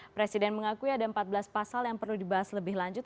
presiden mengakui ada empat belas pasal yang perlu dibahas lebih lanjut